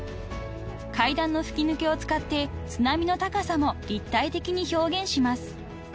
［階段の吹き抜けを使って津波の高さも立体的に表現します］